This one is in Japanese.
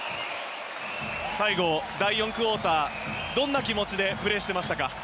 最後、第４クオーターどんな気持ちでプレーしてましたか？